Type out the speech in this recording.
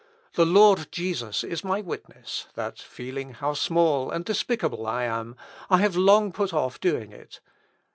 The Lord Jesus is my witness, that, feeling how small and despicable I am, I have long put off doing it....